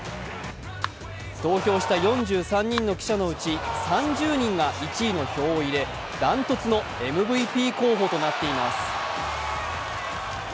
投票した４３人の記者のうち３０人が１位の票を入れ、断トツのＭＶＰ候補となっています。